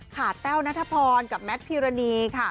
แต้วนัทพรกับแมทพิรณีค่ะ